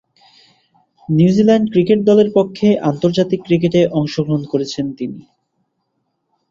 New Zealand cricket দলের পক্ষে আন্তর্জাতিক ক্রিকেটে অংশগ্রহণ করেছেন তিনি।